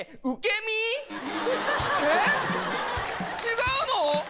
違うの？